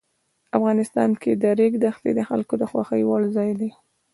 افغانستان کې د ریګ دښتې د خلکو د خوښې وړ ځای دی.